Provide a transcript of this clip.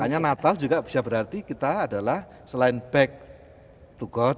makanya natal juga bisa berarti kita adalah selain back to god